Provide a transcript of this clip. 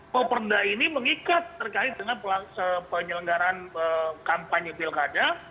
perda ini mengikat terkait dengan penyelenggaran kampanye pilkada